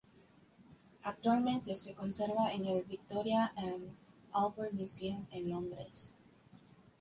Actualmente se conserva en el "Victoria and Albert Museum" en Londres.